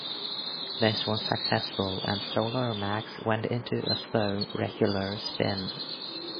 This was successful, and Solar Max went into a slow, regular spin.